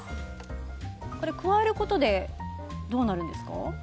加えることでどうなるんですか？